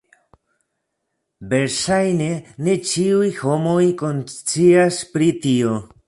Verŝajne ne ĉiuj homoj konscias pri tio.